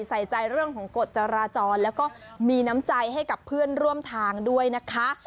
ใส่ใจเรื่องของกฎจราจรแล้วก็มีน้ำใจให้กับเพื่อนร่วมทางด้วยนะคะ